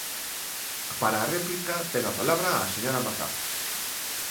Para a réplica, ten a palabra a señora Mazá.